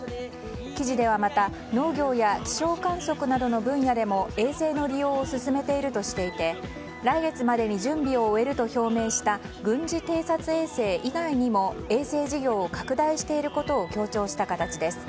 記事では、また農業や気象観測などの分野でも衛星の利用を進めているとしていて来月までに準備を終えると表明した軍事偵察衛星以外にも衛星事業を拡大していることを強調した形です。